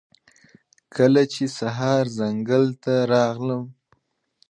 کله چې سهار ځنګل ته راغلم